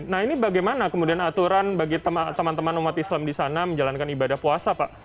nah ini bagaimana kemudian aturan bagi teman teman umat islam di sana menjalankan ibadah puasa pak